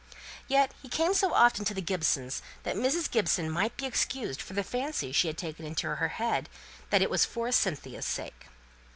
Yet he came so often to the Gibsons, that Mrs. Gibson might be excused for the fancy she had taken into her head, that it was for Cynthia's sake.